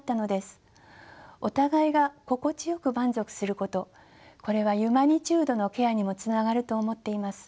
お互いが心地よく満足することこれはユマニチュードのケアにもつながると思っています。